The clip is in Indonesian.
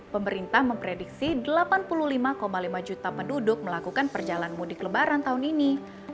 pemerintah memprediksi delapan puluh lima lima juta penduduk melakukan perjalanan mudik lebaran tahun ini